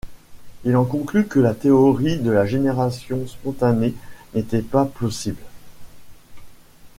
Il en conclut que la théorie de la génération spontanée n’était pas plausible.